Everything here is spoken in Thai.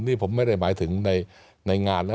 นี่ผมไม่ได้หมายถึงในงานนะ